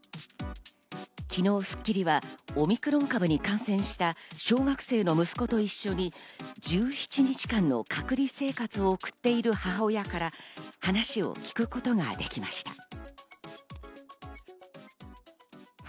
昨日『スッキリ』はオミクロン株に感染した小学生の息子と一緒に１７日間の隔離生活を送っている母親から話を聞くことができました。